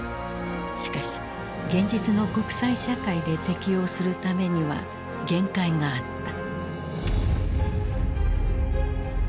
しかし現実の国際社会で適用するためには限界があった。